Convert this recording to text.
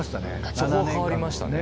そこは変わりましたね。